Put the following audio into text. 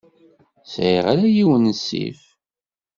Sɛiɣ ala yiwen n ssif.